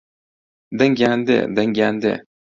دەنگیان دێ دەنگیان دێ